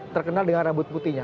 terkenal dengan rambut putihnya